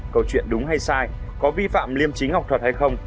câu chuyện đúng hay sai có vi phạm liêm chính học thuật hay không